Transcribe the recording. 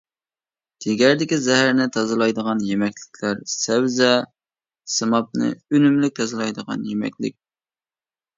جىگەردىكى زەھەرنى تازىلايدىغان يېمەكلىكلەر سەۋزە:سىمابنى ئۈنۈملۈك تازىلايدىغان يېمەكلىك.